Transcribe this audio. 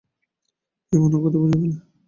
যে মনের কথা বুঝে ফেলে।